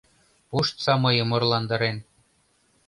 Пуштса мыйым орландарен!